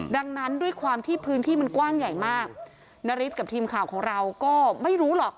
ดังนั้นด้วยความที่พื้นที่มันกว้างใหญ่มากนาริสกับทีมข่าวของเราก็ไม่รู้หรอก